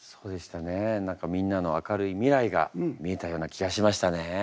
何かみんなの明るい未来が見えたような気がしましたね。